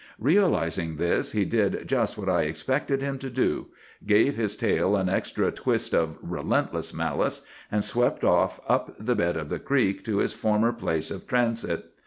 Realizing this, he did just what I expected him to do,—gave his tail an extra twist of relentless malice, and swept off up the bed of the creek to his former place of transit.